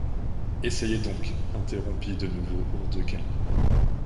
Essayez donc ! interrompit de nouveau Hourdequin.